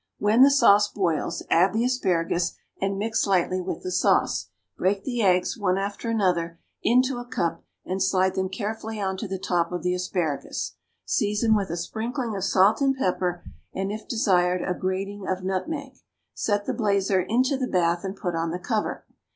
When the sauce boils, add the asparagus and mix lightly with the sauce; break the eggs, one after another, into a cup and slide them carefully on to the top of the asparagus. Season with a sprinkling of salt and pepper, and, if desired, a grating of nutmeg. Set the blazer into the bath and put on the cover.